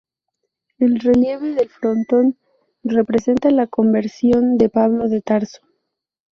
El relieve del frontón representa la conversión de Pablo de Tarso.